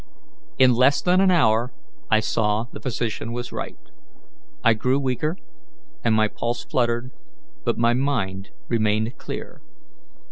In less than an hour I saw the physician was right; I grew weaker and my pulse fluttered, but my mind remained clear.